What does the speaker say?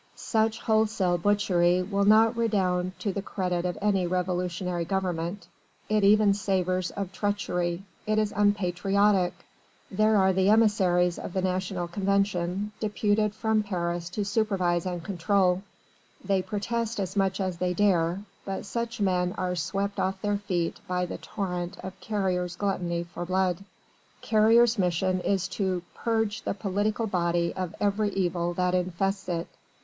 Such wholesale butchery will not redound to the credit of any revolutionary government it even savours of treachery it is unpatriotic! There are the emissaries of the National Convention, deputed from Paris to supervise and control they protest as much as they dare but such men are swept off their feet by the torrent of Carrier's gluttony for blood. Carrier's mission is to "purge the political body of every evil that infests it."